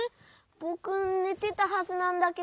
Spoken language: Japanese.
ぼくねてたはずなんだけど。